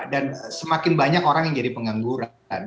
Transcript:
dan semakin banyak orang yang jadi pengangguran